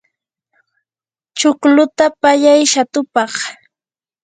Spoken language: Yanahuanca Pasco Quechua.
chuqluta pallay shatupaq.